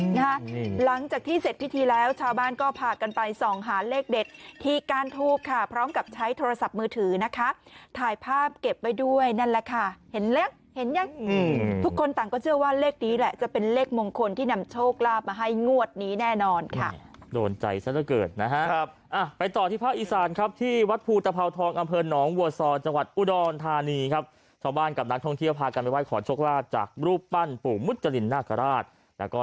หลังจากที่เสร็จพิธีแล้วชาวบ้านก็ผ่ากันไปส่องหาเลขเด็ดที่การทูบค่ะพร้อมกับใช้โทรศัพท์มือถือนะคะถ่ายภาพเก็บไว้ด้วยนั่นแหละค่ะเห็นหรือยังทุกคนต่างก็เชื่อว่าเลขนี้แหละจะเป็นเลขมงคลที่นำโชคราบมาให้งวดนี้แน่นอนค่ะโดนใจซะเกิดนะครับไปต่อที่ภาคอีสานครับที่วัดภูตภ